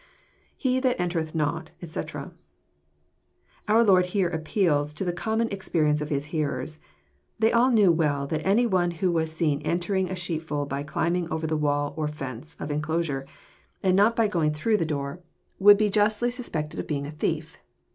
IHe that entereth not, etc,'] Our Lord here appeals to the com mon experience of His hearers. They all knew well that any one who was seen entering a sheepfold by climbing over the wall or fence of puclosure, and not by going through the door, 180 EXF08IT0EY THOUGHTS. would be Jastly suspected of being a thief.